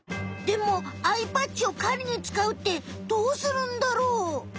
でもアイパッチを狩りに使うってどうするんだろう？